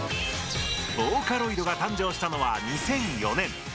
ボーカロイドが誕生したのは２００４年。